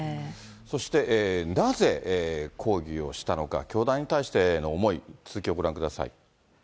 そしてなぜ、抗議をしたのか、教団に対しての思い、続きをご覧ください。